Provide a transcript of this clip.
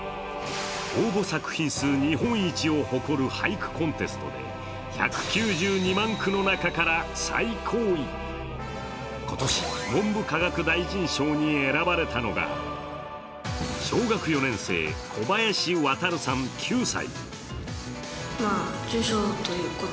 応募作品数日本一を誇る俳句コンテストで１９２万句の中から最高位、今年文部科学大臣賞に選ばれたのが小学４年生、小林航さん、９歳。